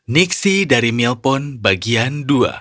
nixi dari milpon bagian dua